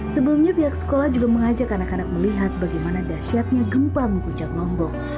sebelumnya pihak sekolah juga mengajak anak anak melihat bagaimana dasyatnya gempa mengguncang lombok